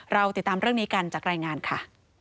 เราติดตามเรื่องนี้กันจากรายงานค่ะ